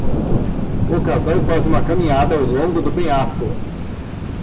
O casal faz uma caminhada ao longo do penhasco.